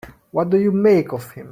What do you make of him?